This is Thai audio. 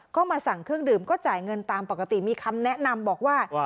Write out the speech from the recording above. ก็มาสั่งเครื่องดื่มก็จ่ายเงินตามปกติมีคำแนะนำบอกว่า